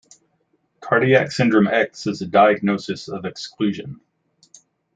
Cardiac syndrome X is a diagnosis of exclusion.